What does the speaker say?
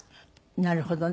なるほどね。